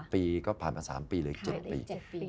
ปีก็ผ่านมา๓ปีเลย๗ปี